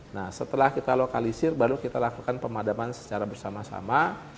nah setelah kita lokalisir baru kita lakukan pemadaman secara bersama sama